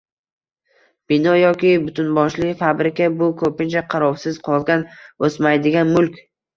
bino yoki butunboshli fabrika – bu ko‘pincha qarovsiz qolgan, o‘smaydigan mulk.